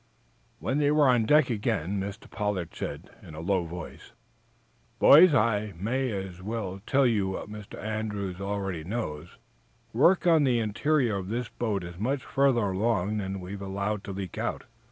When they were on deck again Mr. Pollard said, in a low voice: "Boys, I may as well tell you what Mr. Andrews already knows. Work on the interior of this boat is much further along than we've allowed to leak out.